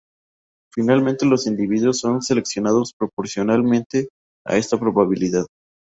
Finalmente, los individuos son seleccionados proporcionalmente a esta probabilidad.